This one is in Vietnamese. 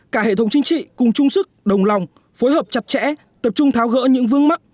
cả hệ thống chính trị cùng chung sức đồng lòng phối hợp chặt chẽ tập trung tháo gỡ những vương mắc